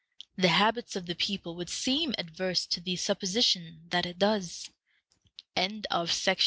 The habits of the people would seem adverse to the supposition that it does. CHAPTER XXIII.